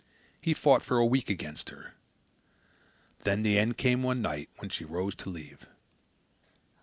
He fought for a week against her. Then the end came one night when she rose to leave.